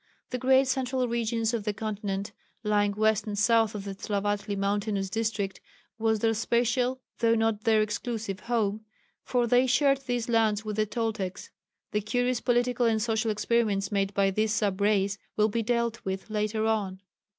The great central regions of the continent lying west and south of the Tlavatli mountainous district was their special though not their exclusive home, for they shared these lands with the Toltecs. The curious political and social experiments made by this sub race will be dealt with later on.